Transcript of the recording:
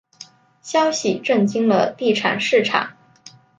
消息震惊了地产市场。